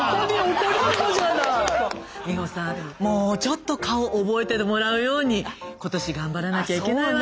もうちょっと顔覚えてもらうように今年頑張らなきゃいけないわね。